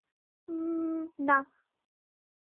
মমম, না।